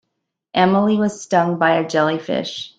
Emily was stung by a jellyfish.